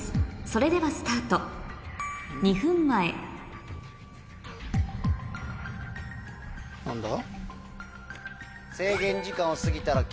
それではスタート２分前何だ？